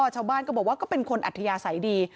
ชาวบ้านก็บอกว่าก็เป็นคนอัธยาศัยดี